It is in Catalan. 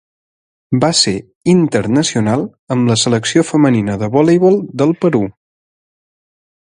Va ser internacional amb la Selecció femenina de voleibol del Perú.